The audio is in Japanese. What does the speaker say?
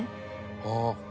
ああ。